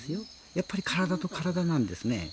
やっぱり体と体なんですね。